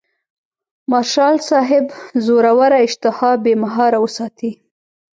مارشال صاحب زوروره اشتها بې مهاره وساتي.